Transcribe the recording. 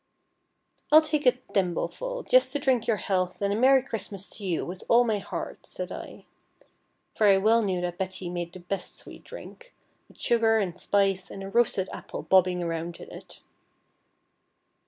"I'll take a thimbleful, just to drink your health and a Merry Christmas to you, with all my heart," said I; for I well knew that Betty made the best sweet drink, with sugar and spice and a roasted apple bobbing around in it.